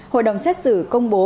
hội đồng xét xử công bố